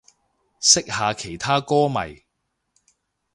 識下其他歌迷